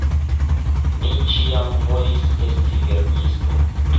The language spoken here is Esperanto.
Mi ĉiam volis esti verkisto.